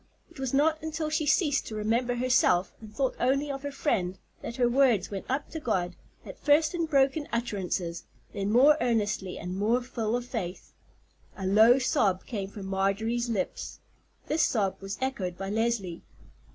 It was not until she ceased to remember herself, and thought only of her friend, that her words went up to God, at first in broken utterances, then more earnestly and more full of faith. A low sob came from Marjorie's lips. This sob was echoed by Leslie.